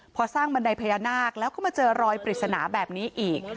พอสร้างบันไดพญานาคแล้วก็มาเจอรอยปริศนาแบบนี้อีก